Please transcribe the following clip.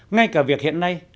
ngay cả việc hiện nay